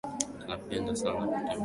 Tunapenda sana kutembea na yeye